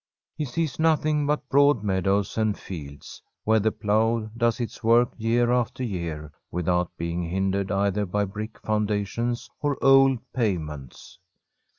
He sees noth ing but broad meadows and fields, where the plough does its work year after year without be ing hindered either by brick foundations or old pavements.